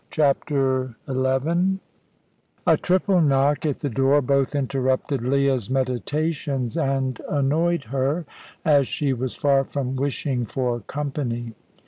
CHAPTER XI A triple knock at the door both interrupted Leah's meditations and annoyed her, as she was far from wishing for company.